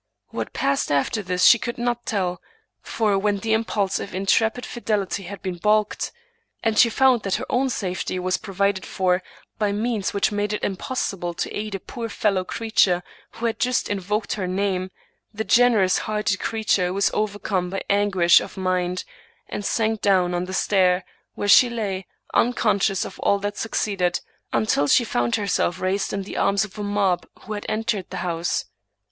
What passed after this she could not tell; for, when the impulse of intrepid fidelity had been balked, and she found that her own safety was provided for by means which made it impossible to aid a poor fellow creature who had just invoked her name, the generous hearted creature was overcome by anguish of mind, and sank down on the stair, where she lay, unconscious of all that suc ceeded, until she found herself raised in the arms of a mob who had entered the house.